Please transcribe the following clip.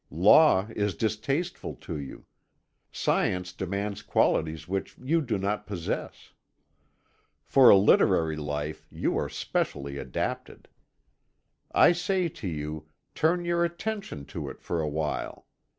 Law is distasteful to you. Science demands qualities which you do not possess. For a literary life you are specially adapted. I say to you, turn your attention to it for a while.